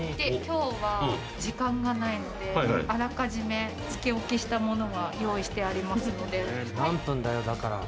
今日は時間がないのであらかじめ、つけおきしたものを用意してありますので。